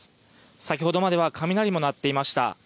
先ほどまでは雷も鳴っていました。